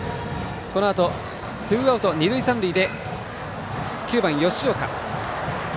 このあとツーアウト、二塁三塁で９番、吉岡。